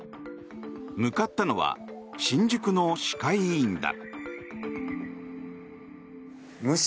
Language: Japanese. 向かったのは新宿の歯科医院だ。